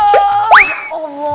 lagi akan telah terjunnya